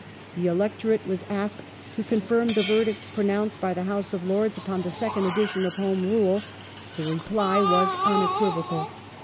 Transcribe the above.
The electorate was asked to confirm the verdict pronounced by the House of Lords upon the second edition of Home Rule. The reply was unequivocal.